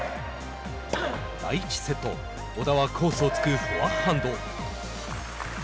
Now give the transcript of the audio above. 第１セット小田はコースを突くフォアハンド。